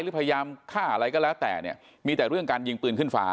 พยายามฆ่าอะไรก็แล้วแต่เนี่ยมีแต่เรื่องการยิงปืนขึ้นฟ้า